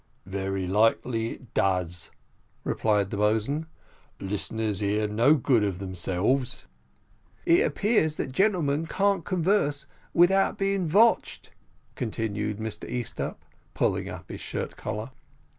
"Very likely it does," replied the boatswain. "Listeners hear no good of themselves." "It appears that gentlemen can't converse without being vatched," continued Mr Easthupp, pulling up his shirt collar.